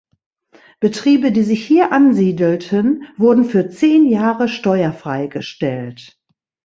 Betriebe, die sich hier ansiedelten, wurden für zehn Jahre steuerfrei gestellt.